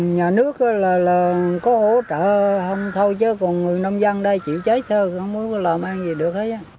nhà nước là có hỗ trợ không thôi chứ còn người nông dân đây chịu cháy thơ không có làm gì được